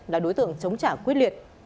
là đối tượng chống trả quyết liệt